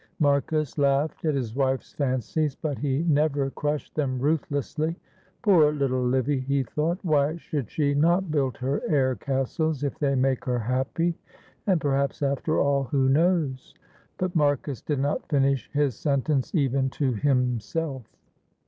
Marcus laughed at his wife's fancies; but he never crushed them ruthlessly. "Poor little Livy," he thought, "why should she not build her air castles if they make her happy, and perhaps, after all, who knows " but Marcus did not finish his sentence even to himself.